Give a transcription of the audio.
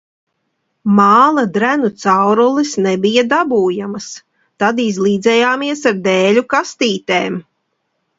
Māla drenu caurules nebija dabūjamas, tad izlīdzējāmies ar dēļu kastītēm.